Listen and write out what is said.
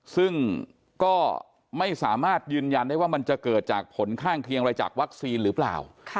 ซึ่งก็ไม่สามารถยืนยันได้ว่ามันจะเกิดจากผลข้างเคียงอะไรจากวัคซีนหรือเปล่า